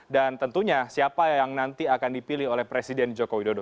tentunya siapa yang nanti akan dipilih oleh presiden joko widodo